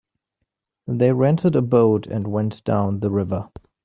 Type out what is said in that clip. They rented a boat and went down the river.